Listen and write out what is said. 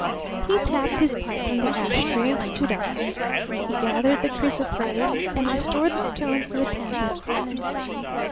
He tapped his pipe on the ash tray and stood up. He gathered the chrysoprase and restored the stones to the canvas bag.